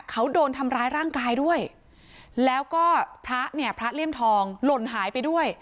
เขาโดนทำร้ายร่างกายด้วยแล้วก็พระเนี่ยพระเลี่ยมทองหล่นหายไปด้วย